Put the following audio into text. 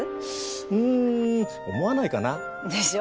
うん思わないかな。でしょ？